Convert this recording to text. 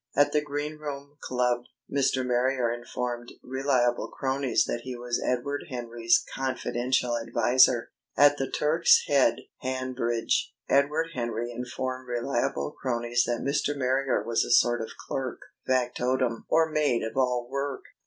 At the Green Room Club Mr. Marrier informed reliable cronies that he was Edward Henry's "confidential adviser." At the Turk's Head, Hanbridge, Edward Henry informed reliable cronies that Mr. Marrier was a sort of clerk, factotum, or maid of all work.